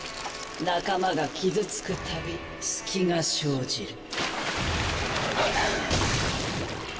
仲間が傷つく度隙が生じる。